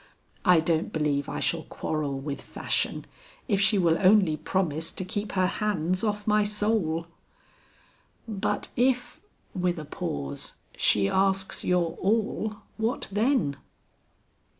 I don't believe I shall quarrel with Fashion if she will only promise to keep her hands off my soul." "But if " with a pause, "she asks your all, what then?"